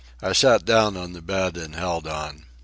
I sat down on the bed and held on.